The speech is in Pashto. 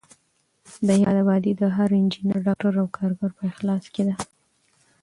د هېواد ابادي د هر انجینر، ډاکټر او کارګر په اخلاص کې ده.